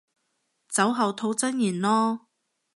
酒後吐真言囉